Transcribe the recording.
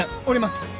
降ります。